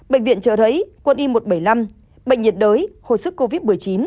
bệnh viện trợ rẫy quân y một trăm bảy mươi năm bệnh nhiệt đới hồi sức covid một mươi chín